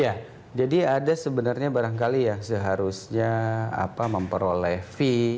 ya jadi ada sebenarnya barangkali ya seharusnya memperoleh fee